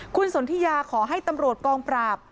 คุณสนทิยาขอให้ตำรวจกองปราบ